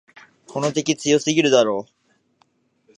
この敵、強すぎるだろ。